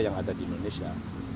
yang ada di indonesia